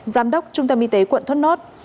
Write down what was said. giám đốc trung tâm y tế quận thốt nốt